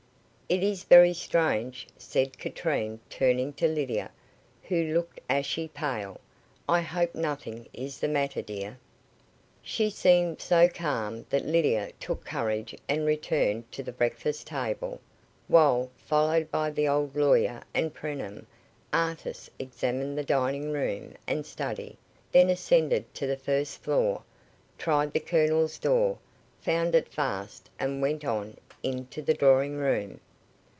"It is very strange," said Katrine, turning to Lydia, who looked ashy pale. "I hope nothing is the matter, dear." She seemed so calm that Lydia took courage and returned to the breakfast table, while, followed by the old lawyer and Preenham, Artis examined the dining room and study, then ascended to the first floor, tried the Colonel's door, found it fast, and went on into the drawing room.